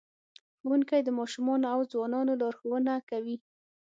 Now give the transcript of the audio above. ښوونکی د ماشومانو او ځوانانو لارښوونه کوي.